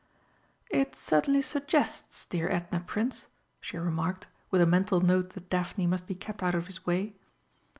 "It certainly suggests dear Edna, Prince," she remarked, with a mental note that Daphne must be kept out of his way.